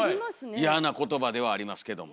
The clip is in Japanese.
嫌な言葉ではありますけども。